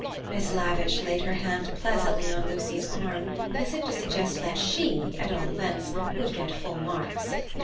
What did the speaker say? Miss Lavish laid her hand pleasantly on Lucy's arm, as if to suggest that she, at all events, would get full marks.